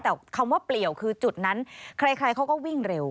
แต่คำว่าเปลี่ยวคือจุดนั้นใครเขาก็วิ่งเร็ว